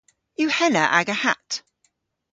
Yw henna aga hatt?